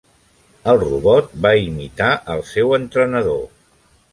El robot va imitar el seu entrenador.